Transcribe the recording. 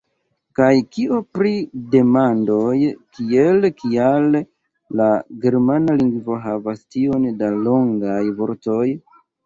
Kaj kio pri demandoj kiel Kial la germana lingvo havas tiom da longaj vortoj?